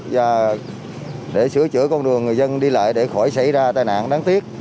và để sửa chữa con đường người dân đi lại để khỏi xảy ra tai nạn đáng tiếc